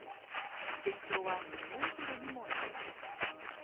全長は２メートルにもなります。